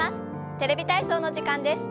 「テレビ体操」の時間です。